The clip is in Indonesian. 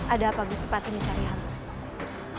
ada apa gusti patih mencari aku